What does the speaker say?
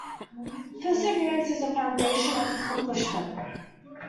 Perseverance is the foundation of accomplishment.